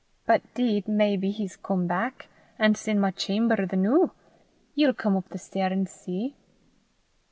But 'deed maybe he's come back, an' 's i' my chaumer the noo! Ye'll come up the stair an' see?"